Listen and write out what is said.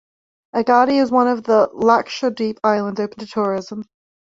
Agatti is one of the Lakshadweep islands open to tourism.